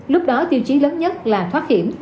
lúc đó tiêu chí lớn nhất là thoát hiểm